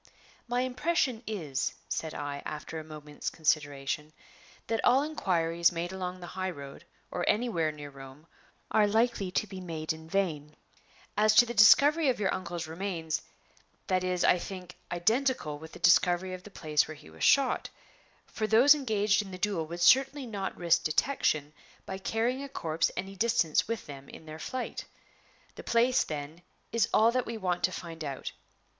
"My impression is," said I, after a moment's consideration, "that all inquiries made along the high road, or anywhere near Rome, are likely to be made in vain. As to the discovery of your uncle's remains, that is, I think, identical with the discovery of the place where he was shot; for those engaged in the duel would certainly not risk detection by carrying a corpse any distance with them in their flight. The place, then, is all that we want to find out.